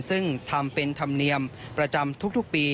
ซึ่งทำเป็นธรรมเนียมประจำทุกปี